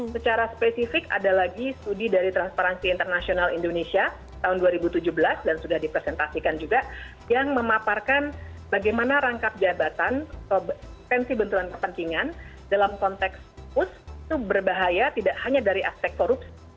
secara spesifik ada lagi studi dari transparansi internasional indonesia tahun dua ribu tujuh belas dan sudah dipresentasikan juga yang memaparkan bagaimana rangkap jabatan atau pensi bentukan kepentingan dalam konteks pus itu berbahaya tidak hanya dari aspek korupsi